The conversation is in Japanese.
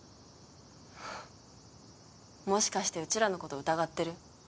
もしかしてうちらのこと疑ってる？